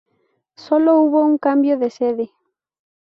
Sólo hubo un cambio de sede.